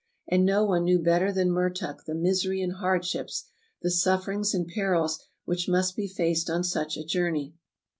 And no one knew better than Mertuk the misery and hardships, the sufferings and perils which must be faced on such a journey.